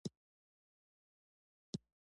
په افغانستان کې د کندهار ولایت منابع شته.